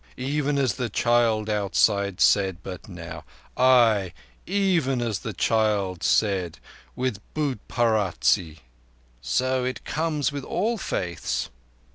Even as the child outside said but now. Ay, even as the child said, with būt parasti." "So it comes with all faiths."